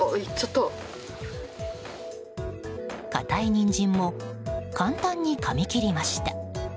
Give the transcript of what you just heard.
硬いニンジンも簡単にかみ切りました。